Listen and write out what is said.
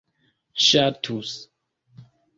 ŝatus